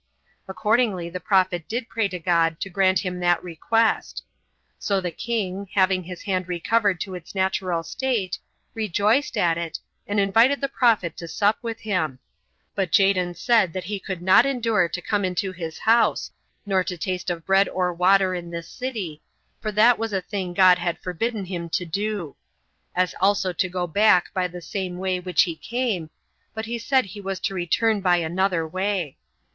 Accordingly the prophet did pray to God to grant him that request. So the king, having his hand recovered to its natural state, rejoiced at it, and invited the prophet to sup with him; but Jadon said that he could not endure to come into his house, nor to taste of bread or water in this city, for that was a thing God had forbidden him to do; as also to go back by the same way which he came, but he said he was to return by another way.